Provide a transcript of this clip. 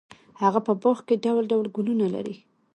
هغه په باغ کې ډول ډول ګلونه لرل.